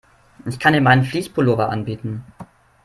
Ich kann dir meinen Fleece-Pullover anbieten.